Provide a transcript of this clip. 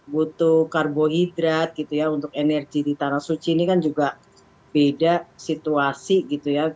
butuh karbohidrat gitu ya untuk energi di tanah suci ini kan juga beda situasi gitu ya